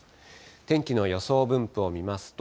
天気の予想分布を見ますと。